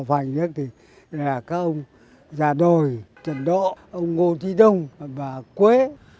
thành nhất thì là các ông già đồi trần đỗ ông ngô trí đông và quế